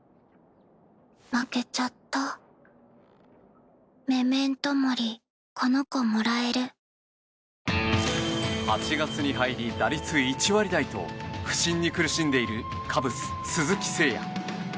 香りに驚くアサヒの「颯」８月に入り打率１割台と不振に苦しんでいるカブス、鈴木誠也。